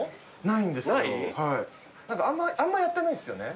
何かあんまやってないですよね？